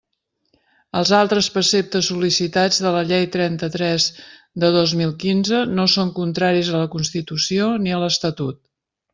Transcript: Els altres preceptes sol·licitats de la Llei trenta-tres de dos mil quinze no són contraris a la Constitució ni a l'Estatut.